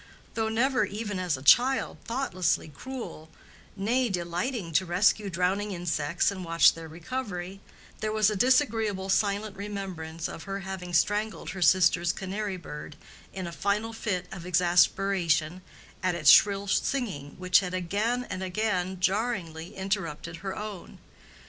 Though never even as a child thoughtlessly cruel, nay delighting to rescue drowning insects and watch their recovery, there was a disagreeable silent remembrance of her having strangled her sister's canary bird in a final fit of exasperation at its shrill singing which had again and again jarringly interrupted her own.